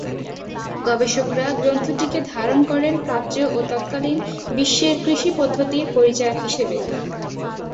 গবেষকরা গ্রন্থটিকে ধারণা করেন প্রাচ্য ও তৎকালীন বিশ্বের কৃষি পদ্ধতির পরিচায়ক হিসেবে।